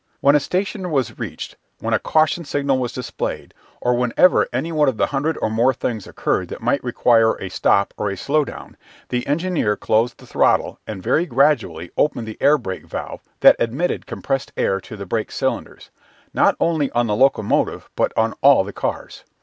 When a station was reached, when a "caution" signal was displayed, or whenever any one of the hundred or more things occurred that might require a stop or a slow down, the engineer closed down the throttle and very gradually opened the air brake valve that admitted compressed air to the brake cylinders, not only on the locomotive but on all the cars.